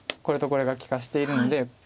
これとこれが利かしているので。